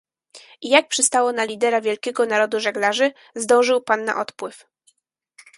I jak przystało na lidera wielkiego narodu żeglarzy, zdążył pan na odpływ